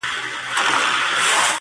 ډلي ډلي به مخلوق ورته راتلله-